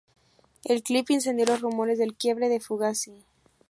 El clip incendió los rumores del quiebre de Fugazi.